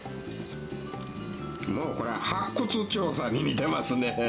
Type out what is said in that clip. もうこれは、発掘調査に似てますね。